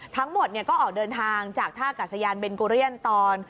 ทั้งหมดก็ออกเดินทางจากท่ากัศยานเบนโกเรียนตอน